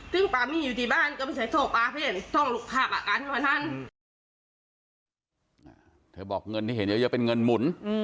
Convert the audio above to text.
ท่องลูกค้ามากันถ้าเธอบอกเงินที่เห็นเยอะเป็นเงินหมุน